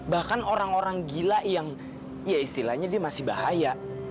bahkan orang orang gila yang ya istilahnya dia masih bahaya